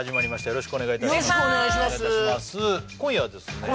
よろしくお願いします